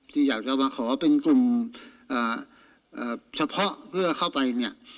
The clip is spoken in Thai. ที่อยากจะมาขอเป็นกลุ่มเฉพาะเพื่อเข้าไปเนี่ย